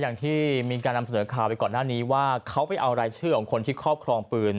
อย่างที่มีการนำเสนอข่าวไปก่อนหน้านี้ว่าเขาไปเอารายชื่อของคนที่ครอบครองปืน